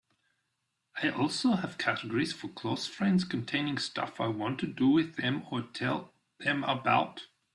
I also have categories for close friends containing stuff I want to do with them or tell them about.